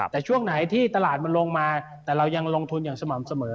แต่ช่วงไหนที่ตลาดมันลงมาแต่เรายังลงทุนอย่างสม่ำเสมอ